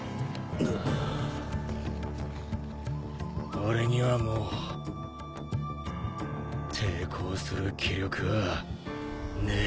俺にはもう抵抗する気力はねえ。